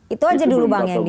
itu aja dulu bang yang